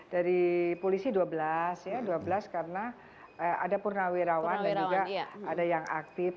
dari polisi dua belas ya dua belas karena ada purnawirawan dan juga ada yang aktif